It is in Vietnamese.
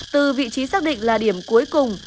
từ vị trí xác định là điểm cuối cùng